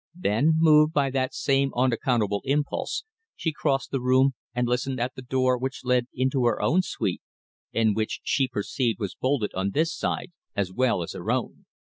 Then, moved by that same unaccountable impulse, she crossed the room and listened at the door which led into her own suite, and which she perceived was bolted on this side as well as her own.